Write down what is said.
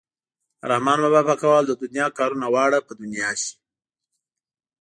د رحمان بابا په قول د دنیا کارونه واړه په دنیا شي.